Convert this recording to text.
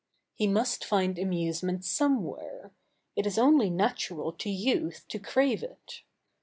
He must find amusement somewhere. It is only natural to youth to crave it.